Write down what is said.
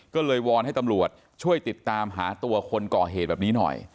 ก็เลยวอนให้ตำรวจช่วยติดตามหาตัวคนก่อเหตุแบบนี้หน่อย